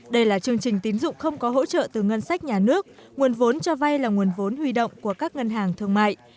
đây là chương trình tín dụng không có hỗ trợ từ ngân sách nhà nước nguồn vốn cho vay là nguồn vốn huy động của các ngân hàng thương mại